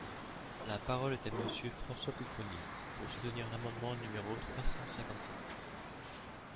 La parole est à Monsieur François Pupponi, pour soutenir l’amendement numéro trois cent cinquante-sept.